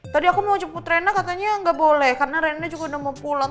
tadi aku mau jemput rena katanya nggak boleh karena rena juga udah mau pulang